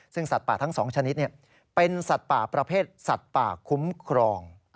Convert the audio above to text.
ซึ่งสัตว์ป่าทั้ง๒ชนิดเป็นสัตว์ป่าประเภทสัตว์ป่าคุ้มครอง